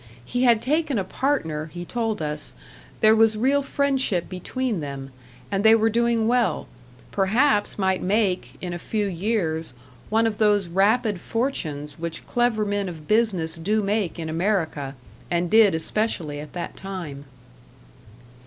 He had taken a partner, he told us; there was real friendship between them, and they were doing well; perhaps might make, in a few years, one of those rapid fortunes which clever men of business do make in America, and did especially at that time.